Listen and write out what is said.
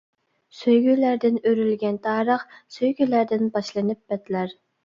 سۆيگۈلەردىن ئۆرۈلگەن تارىخ، سۆيگۈلەردىن باشلىنىپ بەتلەر.